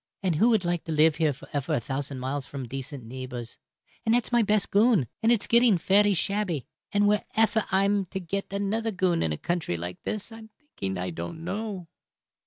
And who would like to live here for efer a thousand miles from decent neebors? And that's my best goon, and it's getting fery shabby; and wherefer I'm to get another goon in a country like this I'm thinking I don't know."